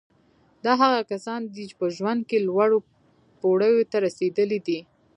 دا هغه کسان دي چې په ژوند کې لوړو پوړیو ته رسېدلي دي